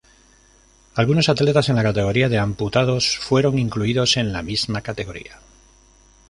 Algunos atletas en la categoría de amputados fueron incluidos en la misma categoría.